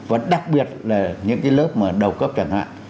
và đặc biệt là những cái lớp mà đầu cấp chẳng hạn